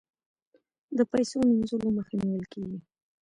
د پیسو مینځلو مخه نیول کیږي